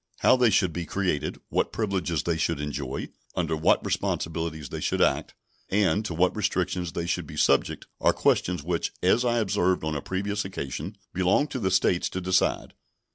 How they should be created, what privileges they should enjoy, under what responsibilities they should act, and to what restrictions they should be subject are questions which, as I observed on a previous occasion, belong to the States to decide.